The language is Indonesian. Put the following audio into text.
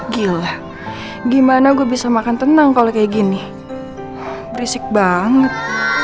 gila gimana gue bisa makan tenang kalau kayak gini berisik banget